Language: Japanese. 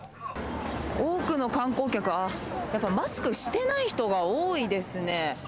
多くの観光客、やっぱマスクしてない人が多いですね。